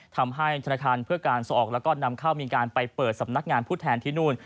ทำให้ธนาคารเพื่อการส่งออกแล้วก็นำเข้ามีการไปเปิดสำนักงานผู้แทนที่นู่น